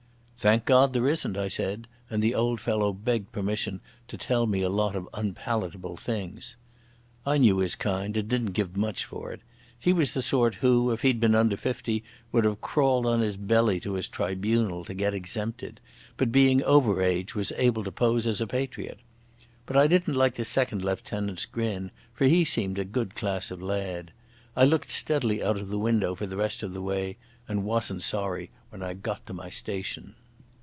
"Thank God there isn't," I said, and the old fellow begged permission to tell me a lot of unpalatable things. I knew his kind and didn't give much for it. He was the sort who, if he had been under fifty, would have crawled on his belly to his tribunal to get exempted, but being over age was able to pose as a patriot. But I didn't like the second lieutenant's grin, for he seemed a good class of lad. I looked steadily out of the window for the rest of the way, and wasn't sorry when I got to my station.